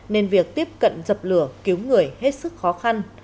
nên việc tiếp cận dập lửa cứu người hết sức khó khăn